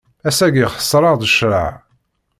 Ass-agi xeṣreɣ-d ccreɛ.